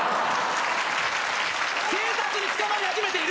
警察に捕まり始めている！